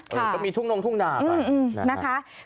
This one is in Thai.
ก็มีทุ่งนมทุ่งดาว